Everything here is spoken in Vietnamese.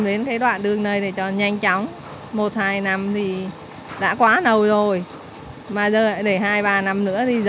nên con đường này càng bị xuống cấp và ô nhiễm bụi